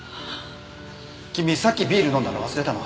君さっきビール飲んだの忘れたの？